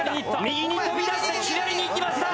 右に飛び出して左に行きました。